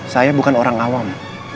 saya bukan orang awam